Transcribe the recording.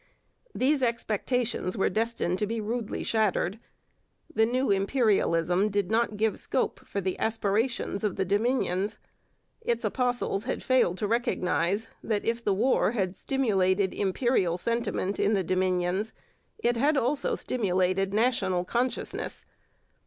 These expectations were destined to be rudely shattered. The new imperialism did not give scope for the aspirations of the Dominions. Its apostles had failed to recognize that if the war had stimulated imperial sentiment in the Dominions it had also stimulated national consciousness.